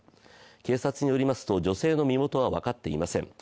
警察によりますと、女性の身元は分かっていません。